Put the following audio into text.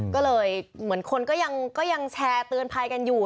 ก็เลยเหมือนคนก็ยังแชร์เตือนภัยกันอยู่